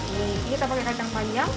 nih ini kita pakai kacang panjang